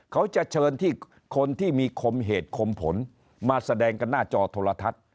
เขาจะเชิญที่คนที่มีคมเหตุคมผลมาแสดงกันหน้าจอโทรทัศน์